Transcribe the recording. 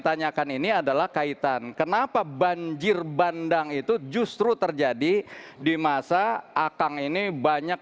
tanyakan ini adalah kaitan kenapa banjir bandang itu justru terjadi di masa akang ini banyak